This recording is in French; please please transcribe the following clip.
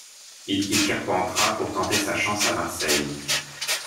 Il quitte Carpentras pour tenter sa chance à Marseille.